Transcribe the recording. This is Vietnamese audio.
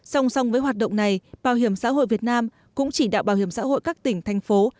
song song với hoạt động này bảo hiểm xã hội việt nam cũng chỉ đạo bảo hiểm xã hội các tỉnh thành phố